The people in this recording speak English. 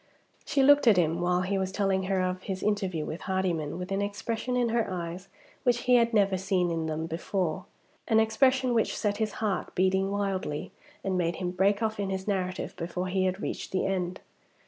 She looked at him, while he was telling her of his interview with Hardyman, with an expression in her eyes which he had never seen in them before an expression which set his heart beating wildly, and made him break off in his narrative before he had reached the end.